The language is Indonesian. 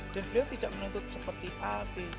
dan beliau tidak menuntut seperti apa